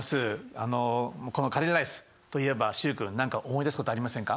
あのこのカレーライスといえば習君何か思い出すことありませんか？